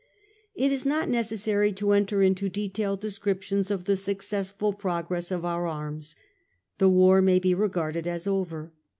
It is not necessary to enter into detailed descrip tions of the successful progress of our arms. The war may be regarded as over.